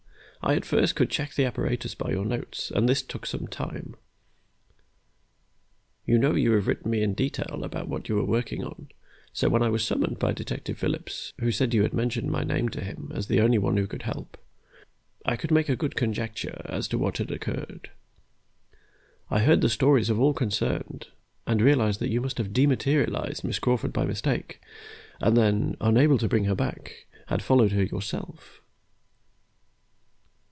I at first could check the apparatus by your notes, and this took some time. You know you have written me in detail about what you were working on, so when I was summoned by Detective Phillips, who said you had mentioned my name to him as the only one who could help, I could make a good conjecture as to what had occurred. I heard the stories of all concerned, and realized that you must have dematerialized Miss Crawford by mistake, and then, unable to bring her back, had followed her yourself.